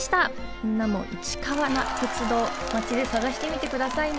みんなもいちかわな鉄道マチでさがしてみてくださいね。